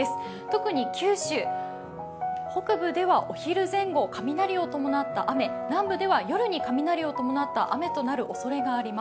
特に九州、北部ではお昼前後雷を伴った雨、南部では夜に雷を伴った雨となりそうです。